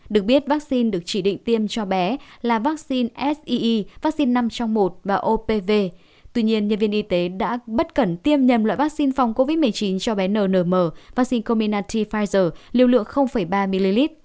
được biết vaccine được chỉ định tiêm cho bé là vaccine sii vaccine năm trong một và opv tuy nhiên nhân viên y tế đã bất cẩn tiêm nhầm loại vaccine phòng covid một mươi chín cho bé nờ nơi mờ vaccine cominati pfizer liều lượng ba ml